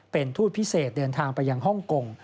เป็นทูตพิเศษเดินทางไปยังฮ่องกง